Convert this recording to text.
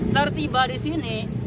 tertiba di sini